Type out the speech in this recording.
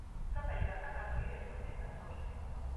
სოფელი გახდა ქართული ეთნოსის საცხოვრისი.